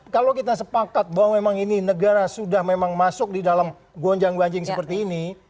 kalau kita sepakat bahwa memang ini negara sudah memang masuk di dalam gonjang ganjing seperti ini